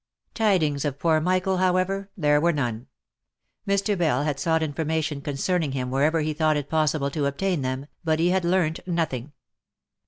Tidings of poor Michael, however, there were none. Mr. Bell had sought information concerning him wherever he thought it possible to obtain them, but he had learnt nothing.